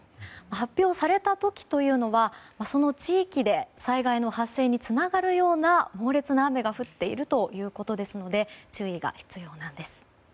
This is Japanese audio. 発表された時というのはその地域で災害の発生につながるような猛烈な雨が降っているということですので注意が必要なんです。